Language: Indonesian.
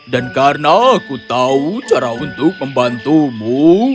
dan karena aku tahu cara untuk membantumu